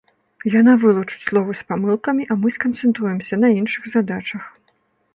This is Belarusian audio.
Яна вылучыць словы з памылкамі, а мы сканцэнтруемся на іншых задачах.